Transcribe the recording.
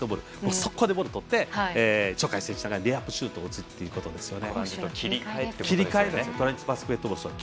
速攻でボールをとって鳥海選手がレイアップシュートを打つということですよね。